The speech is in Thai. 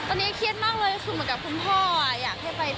ตอนนี้เครียดมากเลยคือเหมือนกับคุณพ่ออยากให้ไป